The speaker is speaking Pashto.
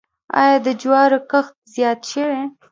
آیا د جوارو کښت زیات شوی؟